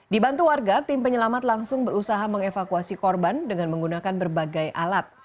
dibantu warga tim penyelamat langsung berusaha mengevakuasi korban dengan menggunakan berbagai alat